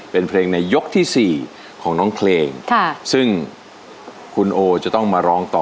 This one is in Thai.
เป็นเพลงในยกที่สี่ของน้องเพลงซึ่งคุณโอจะต้องมาร้องต่อ